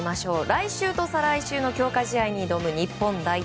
来週と再来週の強化試合に挑む日本代表。